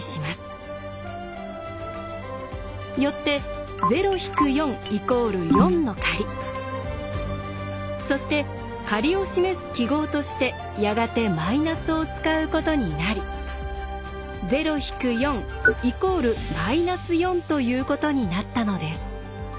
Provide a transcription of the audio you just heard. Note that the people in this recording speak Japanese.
よってそして借りを示す記号としてやがてマイナスを使うことになりということになったのです。